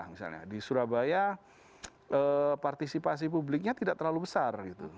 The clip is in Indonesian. misalnya di surabaya partisipasi publiknya tidak terlalu besar gitu